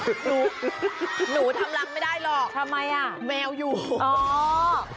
หนูทำรังไม่ได้หรอก